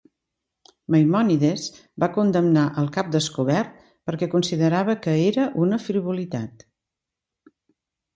Maimònides va condemnar el cap descobert perquè considerava que era una frivolitat.